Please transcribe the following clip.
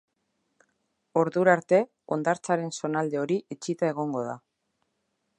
Ordura arte, hondartzaren zonalde hori itxita egongo da.